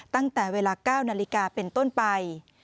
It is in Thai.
ตั้งแต่เวลา๙นาฬิกาเป็นต้นไป